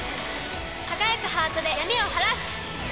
輝くハートで闇を晴らす！